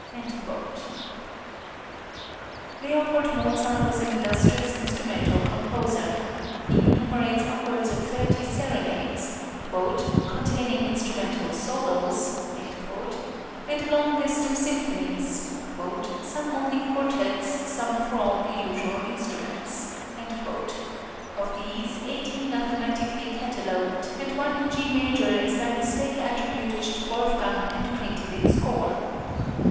" L. Mozart was an industrious instrumental composer. He enumerates upwards of thirty serenades, "containing instrumental solos," and a long list of symphonies, "some only quartets, others for all the usual instruments"; of {CHILDHOOD.} (10) these, eighteen are thematically catalogued,[10010] and one in G major is by mistake attributed to Wolfgang, and printed in score.